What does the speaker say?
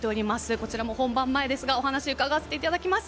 こちらも本番前ですがお話しを伺わせていただきます。